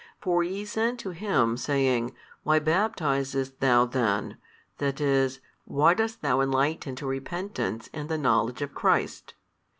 For ye sent to him, saying, Why baptizest thou then, that is, why dost thou enlighten to repentance and the knowledge of Christ?